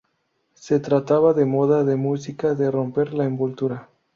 Se trataba de moda, de música, de romper la envoltura".